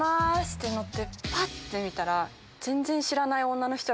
って乗ってぱって見たら。